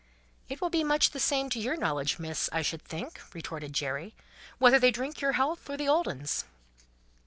"It will be much the same to your knowledge, miss, I should think," retorted Jerry, "whether they drink your health or the Old Un's."